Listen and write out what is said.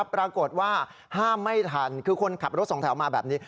ปรากฏว่าห้ามไม่ทันคือคนขับรถสองแถวมาแบบนี้